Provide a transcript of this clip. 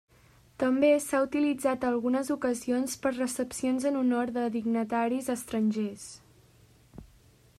També s'ha utilitzat a algunes ocasions per recepcions en honor de dignataris estrangers.